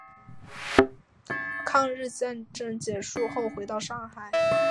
抗日战争结束后回到上海。